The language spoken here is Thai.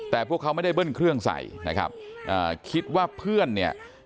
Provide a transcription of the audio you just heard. แต่พวกเขาไม่ได้เบิ้ลเครื่องใส่นะครับอ่าคิดว่าเพื่อนเนี่ย